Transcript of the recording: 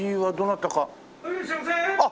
あっ！